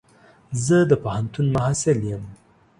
زه د پوهنتون محصل يم.